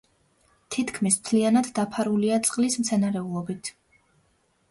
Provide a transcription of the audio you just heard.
თითქმის მთლიანად დაფარულია წყლის მცენარეულობით.